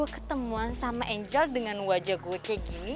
ketemuan sama angel dengan wajah gue kayak gini